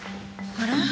あら？